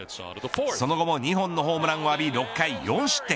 その後も２本のホームランを浴び６回４失点。